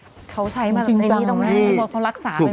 เพราะเขารักษาอันการโรค